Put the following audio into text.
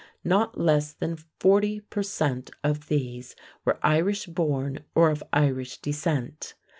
Not less than 40 per cent, of these were Irish born or of Irish descent.